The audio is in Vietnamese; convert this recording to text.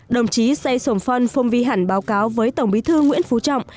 đồng chí say sổng phong phong vi hẳn báo cáo với tổng bí thư nguyễn phú trọng